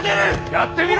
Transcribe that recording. やってみろ！